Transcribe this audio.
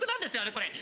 これ。